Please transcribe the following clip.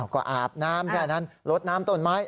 ก็อาบน้ำแค่นั้นลดน้ำต้นไม้